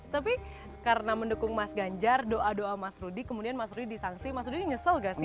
tapi karena mendukung mas ganjar doa doa mas rudi kemudian mas rudi disangsi mas rudi ini nyesel gak sih